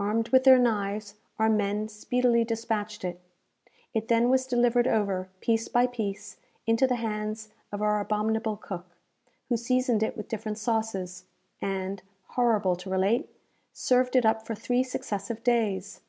Armed with their knives, our men speedily despatched it. It then was delivered over, piece by piece, into the hands of our abominable cook, who seasoned it with different sauces, and, horrible to relate, served it up for three successive days!